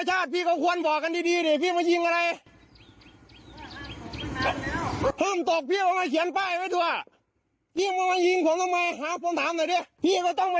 โอ้โหเนี่ยค่ะดีไม่ด่วนตาดีไม่ด่วนหัวแตกนะ